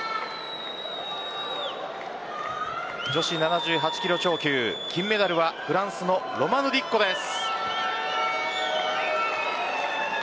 女子７８キロ超級金メダルはフランスのロマヌ・ディッコです。